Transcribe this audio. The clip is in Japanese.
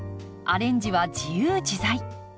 アレンジは自由自在。